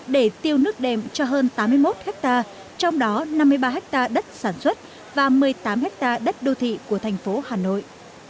để tiêu nước đệm cho hơn tám mươi một hectare trong đó năm mươi ba ha đất sản xuất và một mươi tám ha đất đô thị của thành phố hà nội